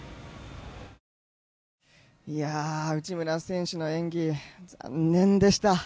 内村選手の演技残念でした。